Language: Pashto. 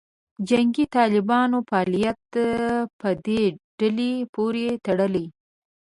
جنګي طالبانو فعالیت په دې ډلې پورې تړلې.